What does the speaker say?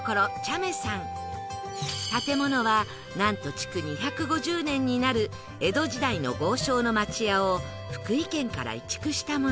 建物はなんと築２５０年になる江戸時代の豪商の町屋を福井県から移築したもの